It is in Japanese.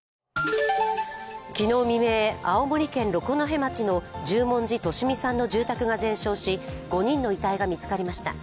昨日未明、青森県六戸町の十文字利美さんの住宅が全焼し５人の遺体が見つかりました。